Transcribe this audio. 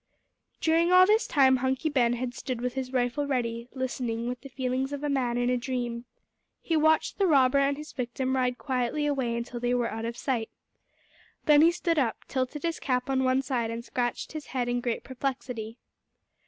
During all this time Hunky Ben had stood with his rifle ready, listening with the feelings of a man in a dream. He watched the robber and his victim ride quietly away until they were out of sight. Then he stood up, tilted his cap on one side, and scratched his head in great perplexity.